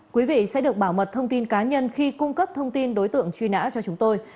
quý vị sẽ được bảo mật thông tin cá nhân khi cung cấp thông tin đối tượng truy nã cho chúng tôi